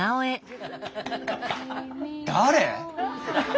誰！？